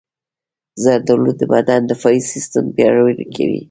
زردالو د بدن دفاعي سیستم پیاوړی کوي.